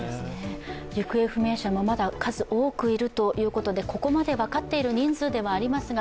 行方不明者もまだ数多くいるということでここまで分かっている人数ですが